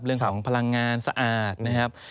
เรื่องของพลังงานสะอาดนะครับ